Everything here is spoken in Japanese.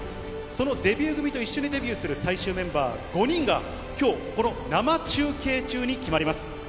そのデビュー組と一緒にデビューする最終メンバー５人が、きょう、この生中継中に決まります。